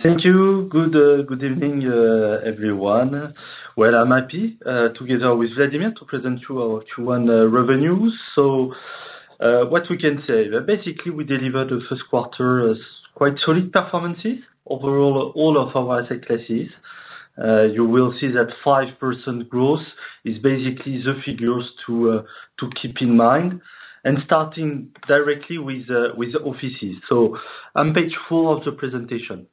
Thank you. Good evening, everyone. I'm happy, together with Vladimir, to present our Q1 revenues. What we can say, basically, is we delivered the first quarter with quite solid performances over all of our asset classes. You will see that 5% growth is basically the figure to keep in mind. Starting directly with the offices, I'm on page four of the presentation.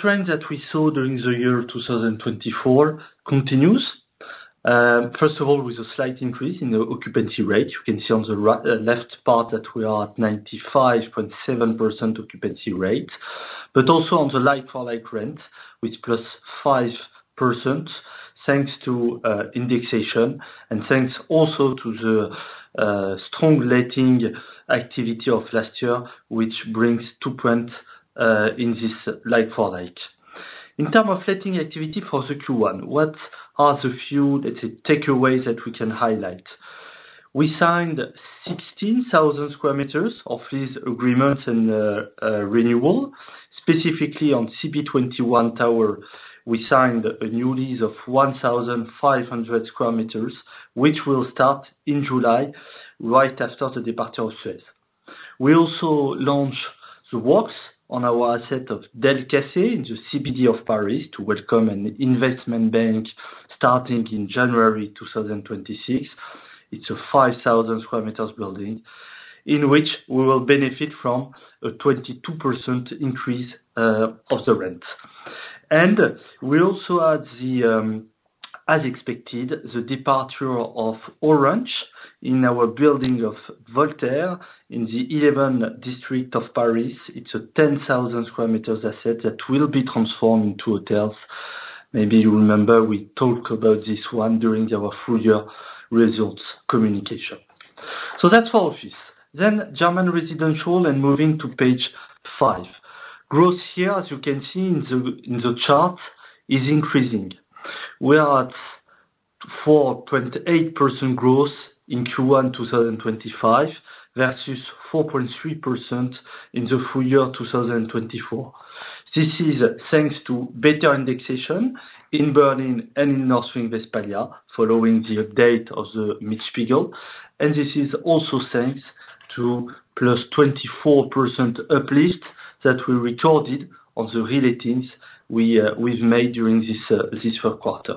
Trends that we saw during the year 2024 continue, first of all, with a slight increase in the occupancy rate. You can see on the left part that we are at 95.7% occupancy rate, but also on the like-for-like rent with plus 5%, thanks to indexation and thanks also to the strong letting activity of last year, which brings two points in this like-for-like. In terms of letting activity for the Q1, what are the few, let's say, takeaways that we can highlight? We signed 16,000 sq m of lease agreements and renewal. Specifically on CB21 Tower, we signed a new lease of 1,500 sq m, which will start in July right after the departure of Suez. We also launched the works on our asset of Delcas in the CBD of Paris to welcome an investment bank starting in January 2026. It's a 5,000 sq m building in which we will benefit from a 22% increase of the rent. We also had, as expected, the departure of Orange in our building of Voltaire in the 11th district of Paris. It's a 10,000 sq m asset that will be transformed into hotels. Maybe you remember we talked about this one during our full year results communication. That is for office. German residential and moving to page five. Growth here, as you can see in the chart, is increasing. We are at 4.8% growth in Q1 2025 versus 4.3% in the full year 2024. This is thanks to better indexation in Berlin and in North Rhine Westphalia following the update of the Mietspiegel. This is also thanks to a plus 24% uplift that we recorded on the releasings we have made during this fourth quarter.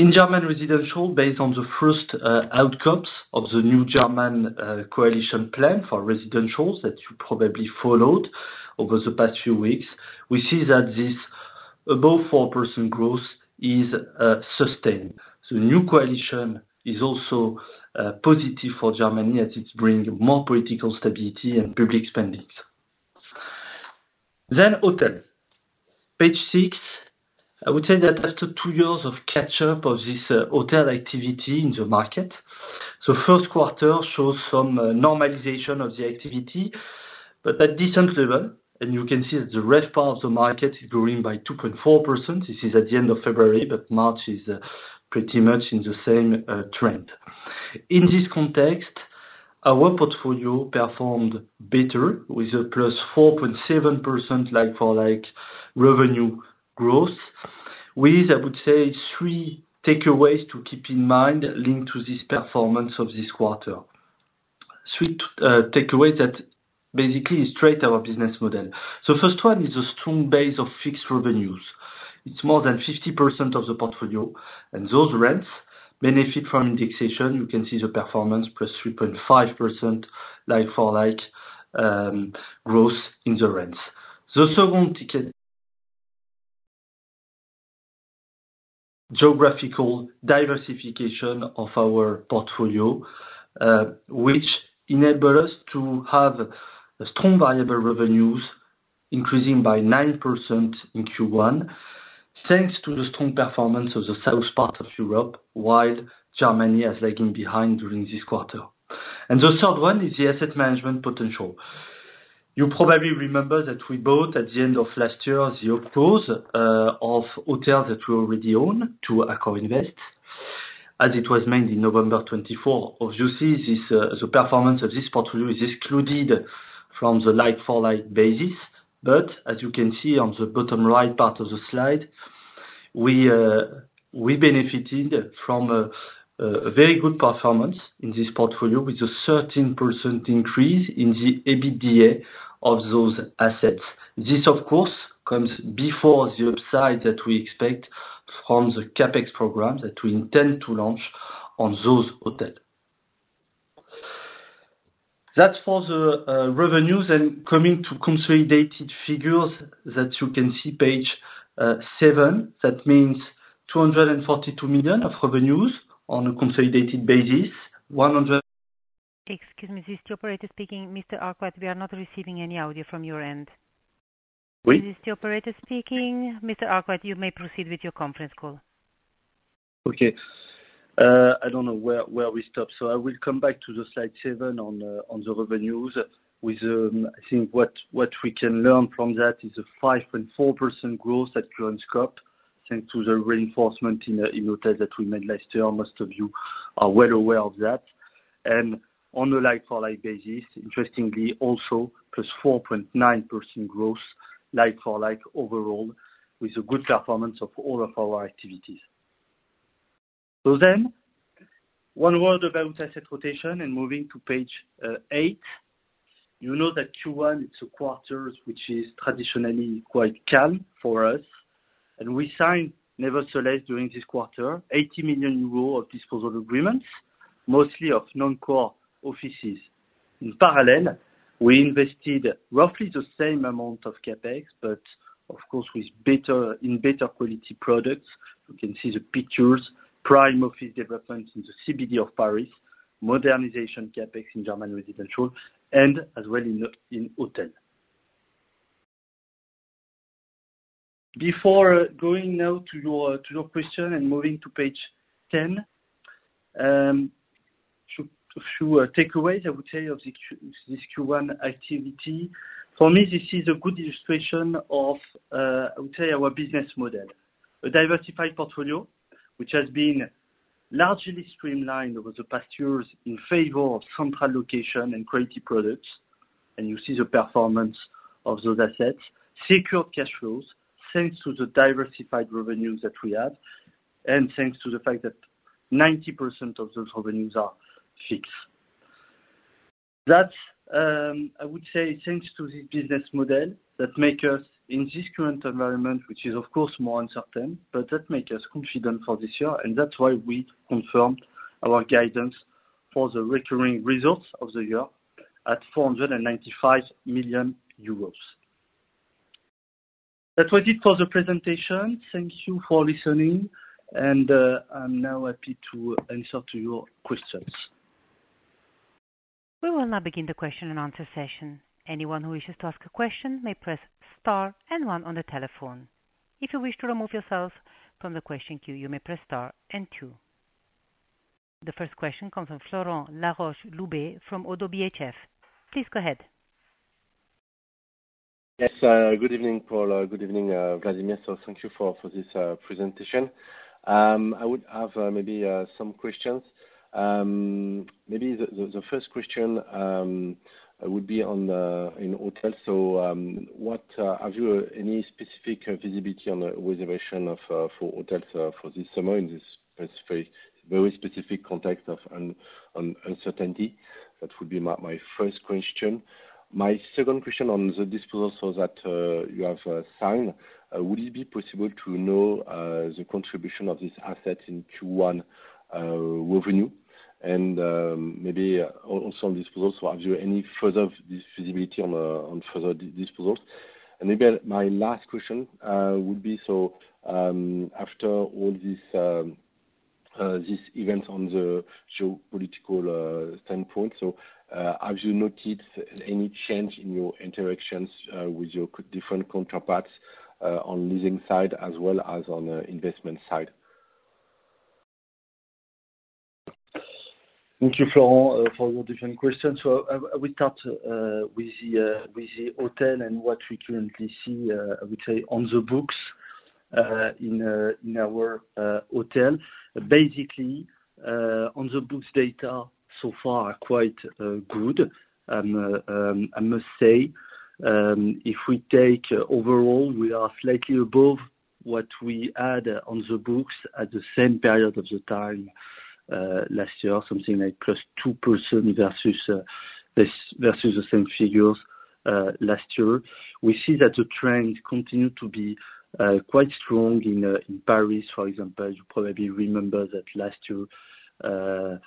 In German residential, based on the first outcomes of the new German coalition plan for residentials that you probably followed over the past few weeks, we see that this above 4% growth is sustained. The new coalition is also positive for Germany as it is bringing more political stability and public spending. Then hotel. Page six, I would say that after two years of catch-up of this hotel activity in the market, the first quarter shows some normalization of the activity, but at decent level. You can see that the rest part of the market is growing by 2.4%. This is at the end of February, but March is pretty much in the same trend. In this context, our portfolio performed better with a plus 4.7% like-for-like revenue growth, with, I would say, three takeaways to keep in mind linked to this performance of this quarter. Three takeaways that basically straight our business model. The first one is a strong base of fixed revenues. It's more than 50% of the portfolio, and those rents benefit from indexation. You can see the performance plus 3.5% like-for-like growth in the rents. The second ticket. Geographical diversification of our portfolio, which enabled us to have strong variable revenues increasing by 9% in Q1 thanks to the strong performance of the south part of Europe, while Germany has lagged behind during this quarter. The third one is the asset management potential. You probably remember that we bought at the end of last year the, of course, hotel that we already own to AccorInvest as it was made in November 2024. Obviously, this, the performance of this portfolio is excluded from the like-for-like basis. As you can see on the bottom right part of the slide, we benefited from a very good performance in this portfolio with a 13% increase in the EBITDA of those assets. This, of course, comes before the upside that we expect from the CapEx program that we intend to launch on those hotel. That's for the revenues and coming to consolidated figures that you can see page seven. That means 242 million of revenues on a consolidated basis. Excuse me, is this the operator speaking? Mr. Arkwright, we are not receiving any audio from your end. Oui. Is this the operator speaking? Mr. Arkwright, you may proceed with your conference call. Okay. I don't know where we stop. I will come back to slide seven on the revenues. What we can learn from that is a 5.4% growth at current scope, thanks to the reinforcement in hotel that we made last year. Most of you are well aware of that. On a like-for-like basis, interestingly, also plus 4.9% growth like-for-like overall, with a good performance of all of our activities. One word about asset rotation and moving to page eight. You know that Q1 is a quarter which is traditionally quite calm for us. We signed, nevertheless, during this quarter, 80 million euros of disposal agreements, mostly of non-core offices. In parallel, we invested roughly the same amount of CapEx, but of course in better quality products. You can see the pictures: prime office development in the CBD of Paris, modernization CapEx in German residential, and as well in hotel. Before going now to your question and moving to page 10, to takeaways, I would say, of the Q, this Q1 activity, for me, this is a good illustration of, I would say, our business model. A diversified portfolio, which has been largely streamlined over the past years in favor of central location and quality products. You see the performance of those assets, secured cash flows thanks to the diversified revenues that we have, and thanks to the fact that 90% of those revenues are fixed. That is, I would say, thanks to this business model that makes us, in this current environment, which is, of course, more uncertain, but that makes us confident for this year. That is why we confirmed our guidance for the recurring results of the year at 495 million euros. That was it for the presentation. Thank you for listening. I am now happy to answer to your questions. We will now begin the question and answer session. Anyone who wishes to ask a question may press star and one on the telephone. If you wish to remove yourself from the question queue, you may press star and two. The first question comes from Florent Laroche-Joubert from ODDO BHF. Please go ahead. Yes. Good evening, Paul. Good evening, Vladimir. Thank you for this presentation. I would have maybe some questions. Maybe the first question would be on hotels. Have you any specific visibility on the reservation for hotels for this summer in this very specific context of uncertainty? That would be my first question. My second question on the disposals that you have signed, would it be possible to know the contribution of this asset in Q1 revenue? Maybe also on disposals, have you any further visibility on further disposals? My last question would be, after all this event on the geopolitical standpoint, have you noticed any change in your interactions with your different counterparts on the leasing side as well as on the investment side? Thank you, Florent, for your different questions. I will start with the hotel and what we currently see. I would say, on the books, in our hotel, basically, on the books, data so far are quite good. I must say, if we take overall, we are slightly above what we had on the books at the same period of the time last year, something like +2% versus the same figures last year. We see that the trend continued to be quite strong in Paris. For example, you probably remember that last year, Paris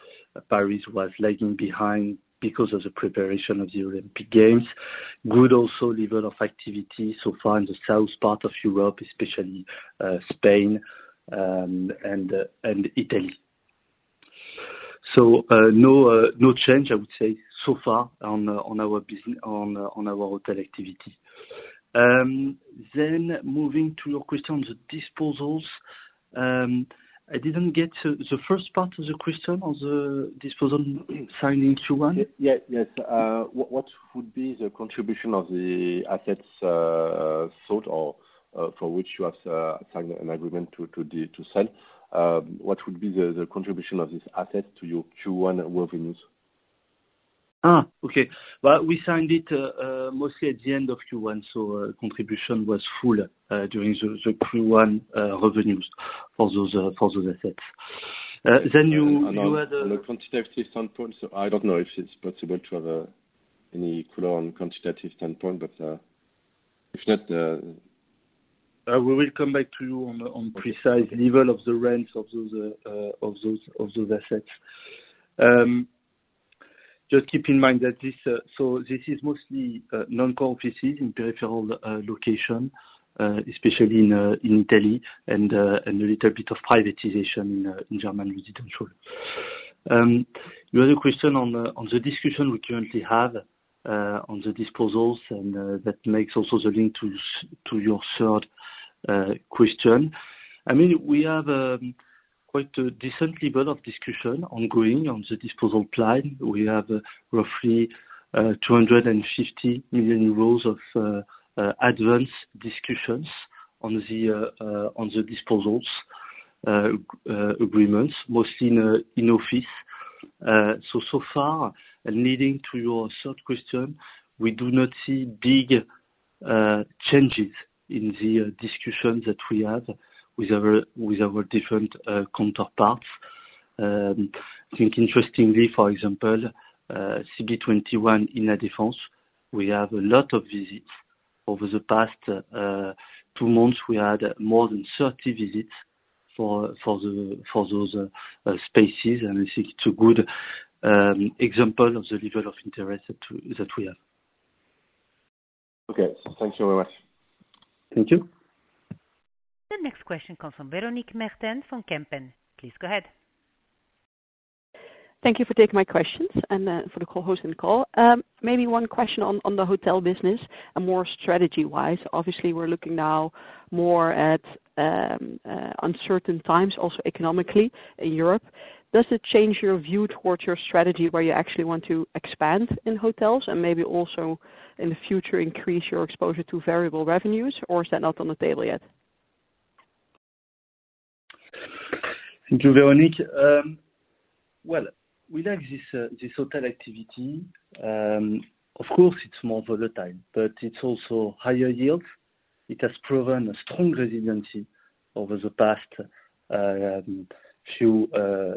was lagging behind because of the preparation of the Olympic Games. Good also level of activity so far in the south part of Europe, especially Spain and Italy. No change, I would say, so far on our business, on our hotel activity. Then moving to your question on the disposals, I did not get the first part of the question on the disposal signing Q1. Yeah, yes. What would be the contribution of the assets sold or for which you have signed an agreement to sell? What would be the contribution of these assets to your Q1 revenues? Okay. We signed it mostly at the end of Q1, so contribution was full during the Q1 revenues for those assets. Then you had a. I'm not on a quantitative standpoint, so I don't know if it's possible to have any clue on quantitative standpoint, but, if not, We will come back to you on precise level of the rents of those assets. Just keep in mind that this is mostly non-core offices in peripheral location, especially in Italy and a little bit of privatization in German residential. You had a question on the discussion we currently have on the disposals, and that makes also the link to your third question. I mean, we have quite a decent level of discussion ongoing on the disposal plan. We have roughly 250 million euros of advance discussions on the disposals agreements, mostly in office. So far, and leading to your third question, we do not see big changes in the discussions that we have with our different counterparts. I think interestingly, for example, CB21 in La Défense, we have a lot of visits. Over the past two months, we had more than 30 visits for those spaces. I think it's a good example of the level of interest that we have. Okay. Thank you very much. Thank you. The next question comes from Véronique Meertens from Kempen. Please go ahead. Thank you for taking my questions and for the co-hosting call. Maybe one question on the hotel business and more strategy-wise. Obviously, we're looking now more at uncertain times, also economically in Europe. Does it change your view towards your strategy where you actually want to expand in hotels and maybe also in the future increase your exposure to variable revenues, or is that not on the table yet? Thank you, Véronique. We like this, this hotel activity. Of course, it's more volatile, but it's also higher yields. It has proven a strong resiliency over the past few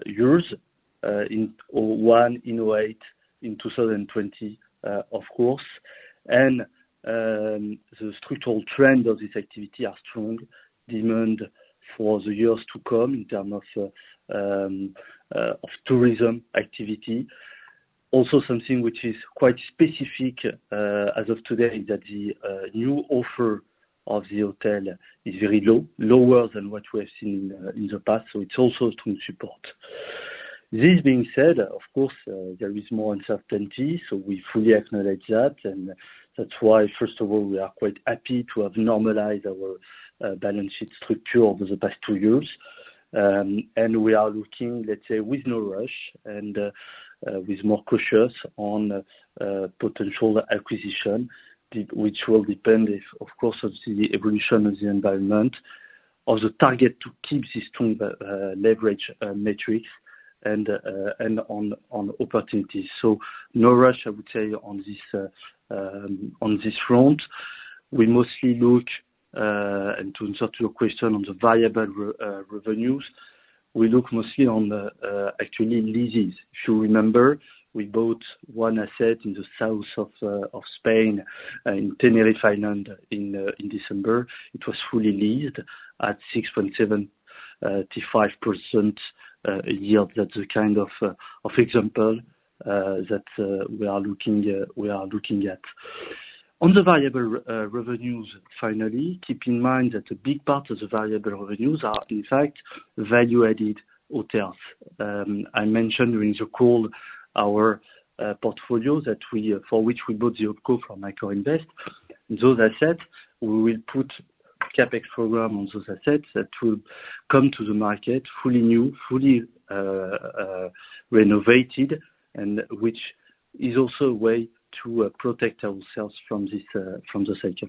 years, in 2001, 2008, in 2020, of course. The structural trend of this activity is strong demand for the years to come in terms of tourism activity. Also, something which is quite specific, as of today, is that the new offer of the hotel is very low, lower than what we have seen in the past. It is also to support. This being said, of course, there is more uncertainty, so we fully acknowledge that. That is why, first of all, we are quite happy to have normalized our balance sheet structure over the past two years. We are looking, let's say, with no rush and with more cautious on potential acquisition, which will depend, of course, on the evolution of the environment, on the target to keep this strong leverage metrics and on opportunities. No rush, I would say, on this front. We mostly look, and to answer to your question on the variable revenues, we look mostly on actually leases. If you remember, we bought one asset in the south of Spain, in Tenerife, in December. It was fully leased at 6.725% yield. That's the kind of example that we are looking at. On the variable revenues, finally, keep in mind that a big part of the variable revenues are, in fact, value-added hotels. I mentioned during the call our portfolio that we, for which we bought the OpCo from AccorInvest. Those assets, we will put CapEx program on those assets that will come to the market fully new, fully renovated, and which is also a way to protect ourselves from this, from the cycle.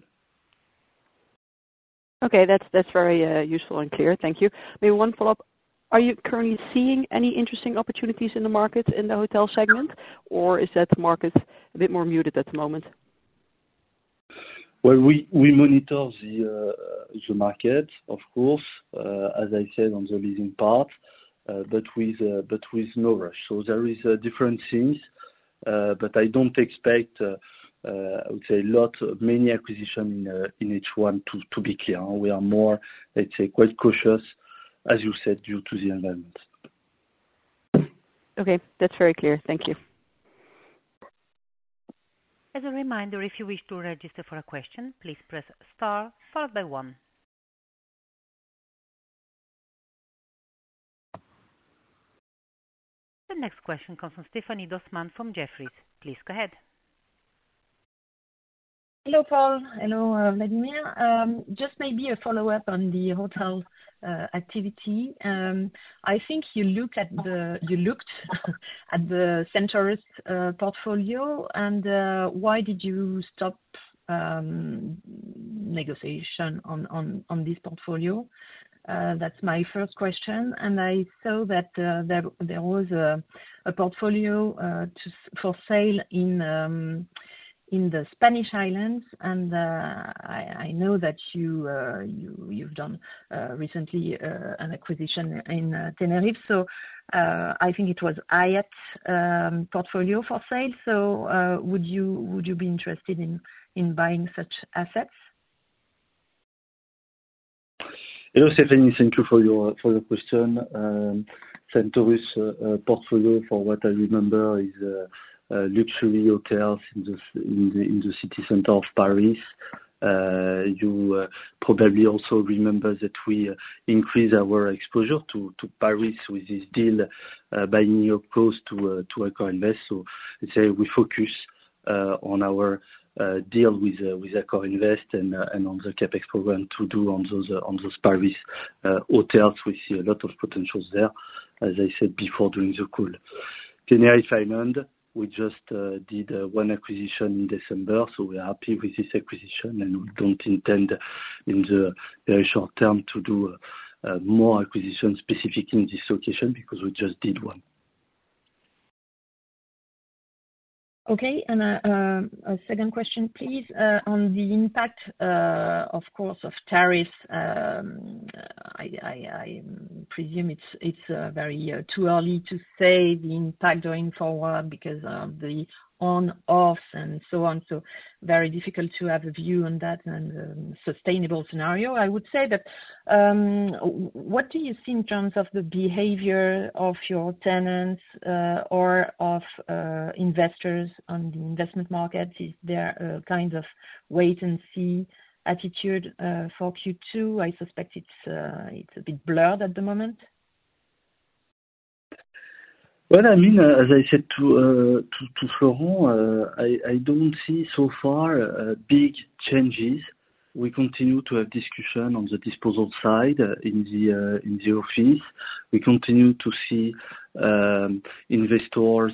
Okay. That's very useful and clear. Thank you. Maybe one follow-up. Are you currently seeing any interesting opportunities in the markets in the hotel segment, or is that market a bit more muted at the moment? We monitor the market, of course, as I said, on the leasing part, but with no rush. There are different things, but I do not expect, I would say, many acquisitions in each one, to be clear. We are more, let's say, quite cautious, as you said, due to the environment. Okay. That's very clear. Thank you. As a reminder, if you wish to register for a question, please press star followed by one. The next question comes from Stéphanie Dossmann from Jefferies. Please go ahead. Hello, Paul. Hello, Vladimir. Just maybe a follow-up on the hotel activity. I think you looked at the, you looked at the centaurus portfolio. And, why did you stop negotiation on this portfolio? That's my first question. I saw that there was a portfolio for sale in the Spanish islands. I know that you, you've done recently an acquisition in Tenerife. I think it was a Hyatt portfolio for sale. Would you be interested in buying such assets? Hello, Stéphanie. Thank you for your question. Centaurus portfolio, for what I remember, is luxury hotels in the city center of Paris. You probably also remember that we increased our exposure to Paris with this deal, by New York Coast to AccorInvest. Let's say we focus on our deal with AccorInvest and on the CapEx program to do on those Paris hotels. We see a lot of potentials there, as I said before during the call. Tenerife Island, we just did one acquisition in December. We are happy with this acquisition, and we do not intend in the very short term to do more acquisitions specific in this location because we just did one. Okay. A second question, please, on the impact, of course, of tariffs. I presume it's very, too early to say the impact going forward because of the on-offs and so on. Very difficult to have a view on that and, sustainable scenario. I would say that, what do you see in terms of the behavior of your tenants, or of investors on the investment market? Is there a kind of wait-and-see attitude, for Q2? I suspect it's a bit blurred at the moment. I mean, as I said to Florent, I do not see so far big changes. We continue to have discussion on the disposal side in the office. We continue to see investors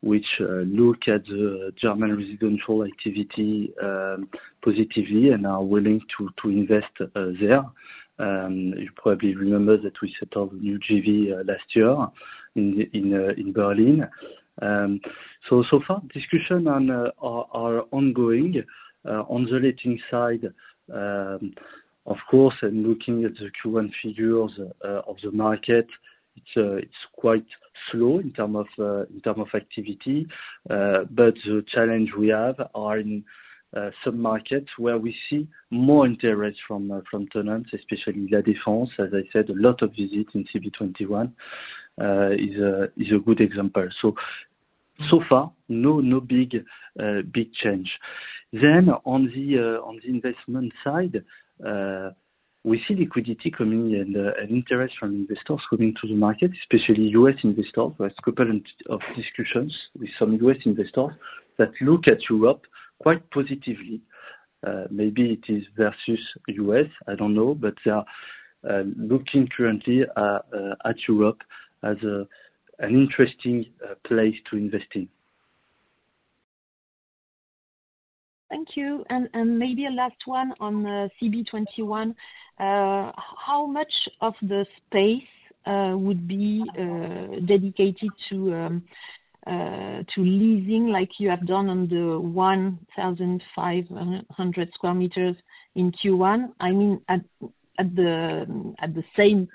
which look at the German residential activity positively and are willing to invest there. You probably remember that we set up a new GV last year in Berlin. So far, discussion are ongoing. On the letting side, of course, and looking at the Q1 figures of the market, it is quite slow in terms of activity. The challenge we have are in some markets where we see more interest from tenants, especially La Défense. As I said, a lot of visits in CB21 is a good example. So far, no big change. On the investment side, we see liquidity coming and interest from investors coming to the market, especially U.S. investors. There's a couple of discussions with some U.S. investors that look at Europe quite positively. Maybe it is versus U.S. I don't know, but they are looking currently at Europe as an interesting place to invest in. Thank you. Maybe a last one on CB21. How much of the space would be dedicated to leasing like you have done on the 1,500 sq m in Q1? I mean, in the same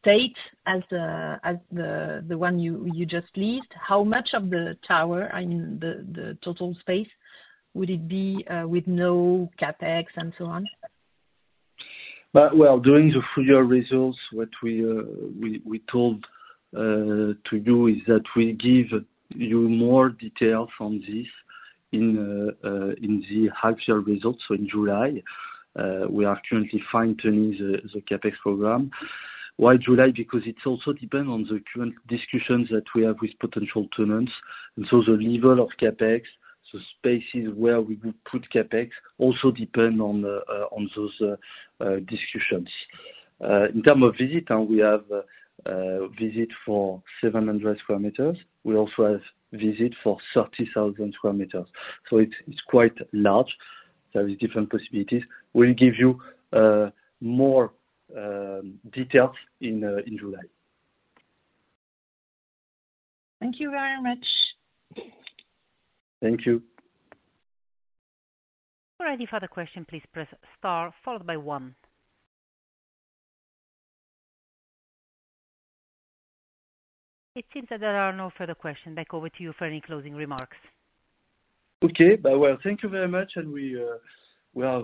state as the one you just leased, how much of the tower, the total space, would it be with no CapEx and so on? During the full-year results, what we told you is that we give you more details on this in the half-year results. In July, we are currently fine-tuning the CapEx program. Why July? Because it also depends on the current discussions that we have with potential tenants. The level of CapEx, the spaces where we would put CapEx also depend on those discussions. In terms of visit, we have visit for 700 sq m. We also have visit for 30,000 sq m. It is quite large. There are different possibilities. We will give you more details in July. Thank you very much. Thank you. For any further question, please press star followed by one. It seems that there are no further questions. Back over to you for any closing remarks. Okay. Thank you very much, and we are.